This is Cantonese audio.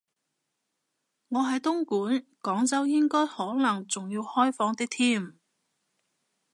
我喺東莞，廣州應該可能仲要開放啲添